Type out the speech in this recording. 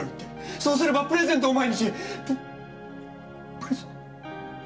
そうすればプレゼントを毎日ププレゼント？